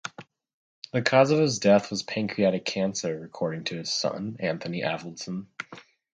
The cause of his death was pancreatic cancer, according to his son, Anthony Avildsen.